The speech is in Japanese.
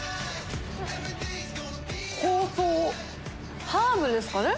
香草ハーブですかね。